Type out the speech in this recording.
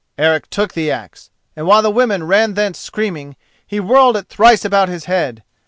Eric took the axe, and while the women ran thence screaming, he whirled it thrice about his head.